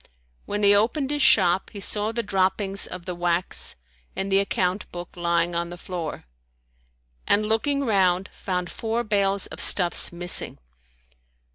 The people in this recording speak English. When he opened his shop, he saw the droppings of the wax and the account book lying on the floor, and looking round, found four bales of stuffs missing.